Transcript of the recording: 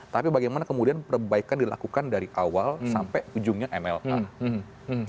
tapi bagaimana kemudian perbaikan dilakukan dari awal sampai ujungnya mla